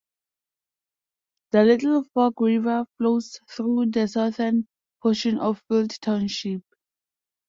The Little Fork River flows through the southern portion of Field Township.